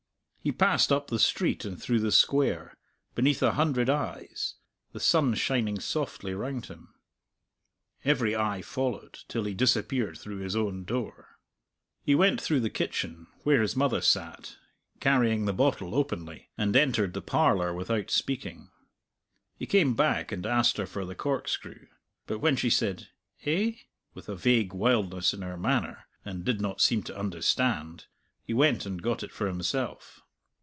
He passed up the street and through the Square, beneath a hundred eyes, the sun shining softly round him. Every eye followed till he disappeared through his own door. He went through the kitchen, where his mother sat, carrying the bottle openly, and entered the parlour without speaking. He came back and asked her for the corkscrew, but when she said "Eh?" with a vague wildness in her manner, and did not seem to understand, he went and got it for himself.